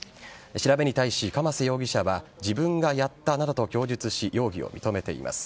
調べに対し、鎌瀬容疑者は自分がやったなどと供述し容疑を認めています。